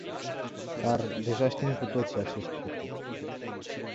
Dar, deja știm cu toții acest lucru.